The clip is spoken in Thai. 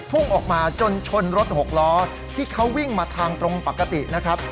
พุ่งออกมาจนชนรถหกล้อที่เขาวิ่งมาทางตรงปกตินะครับ